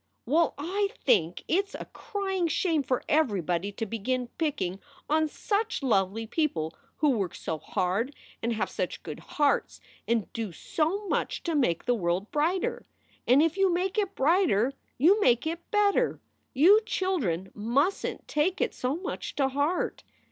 "Well, I think it s a crying shame for everybody to begin picking on such lovely people who work so hard and have such good hearts and do so much to make the world brighter. And if you make it brighter you make it better. You chil dren mustn t take it so much to heart.